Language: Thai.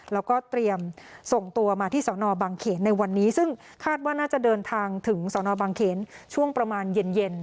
แล้วก็เตรียมส่งตัวมาที่สนบางเขนในวันนี้ซึ่งคาดว่าน่าจะเดินทางถึงสนบางเขนช่วงประมาณเย็น